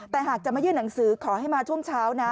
แต่หากจะมายื่นหนังสือขอให้มาช่วงเช้านะ